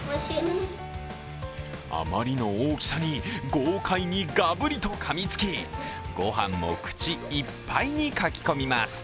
あまりの大きさに、豪快にガブリとかみつき、ご飯も口いっぱいにかき込みます。